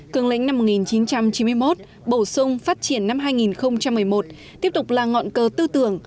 cương lĩnh năm một nghìn chín trăm chín mươi một bổ sung phát triển năm hai nghìn một mươi một tiếp tục là ngọn cờ tư tưởng